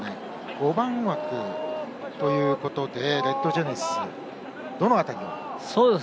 ５番枠ということでレッドジェネシスどの辺りを？